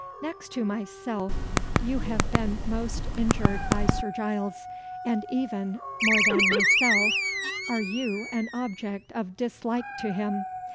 "Next to myself, you have been most injured by Sir Giles, and even more than myself are you an object of dislike to him.